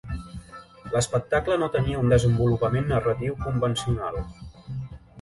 L'espectacle no tenia un desenvolupament narratiu convencional.